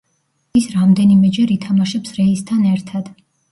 ის რამდენიმეჯერ ითამაშებს რეისთან ერთად.